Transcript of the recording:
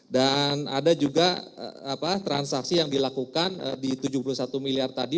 dan ada juga transaksi yang dilakukan di rp tujuh puluh satu miliar tadi